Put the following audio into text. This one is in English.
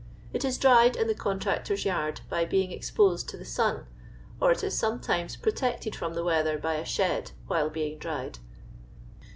It is dried in the contractor's yard by being exposed to the sun, or it is sometimes protected from the weather by a shed, while being dried.